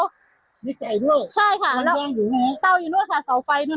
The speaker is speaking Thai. มีไก่ด้วยมันย่างอยู่ไหนใช่ค่ะเตาอยู่ด้วยค่ะเสาไฟด้วยนะค่ะ